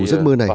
giấc mơ này